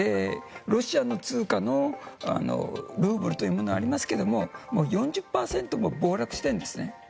ロシアの通貨のルーブルというものがありますが４０％も暴落しているんですね。